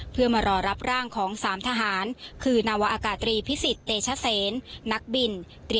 เพื่อมารอรับของ๓ทหารคือนวาตรีพฤษตะเช้านักบิน